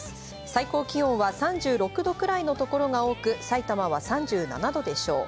最高気温は３６度くらいの所が多く、埼玉は３７度でしょう。